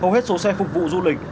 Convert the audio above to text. hầu hết số xe phục vụ du lịch